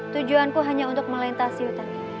tujuanku hanya untuk melintasi hutan